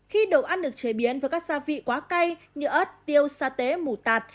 khi đồ ăn được chế biến với các gia vị quá cay như ớt tiêu satê mù tạt